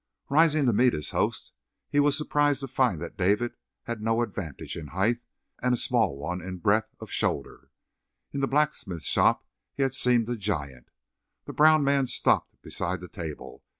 Rising to meet his host, he was surprised to find that David had no advantage in height and a small one in breadth of shoulder; in the blacksmith shop he had seemed a giant. The brown man stopped beside the table.